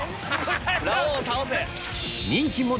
・ラオウを倒せ！